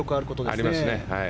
ありますね。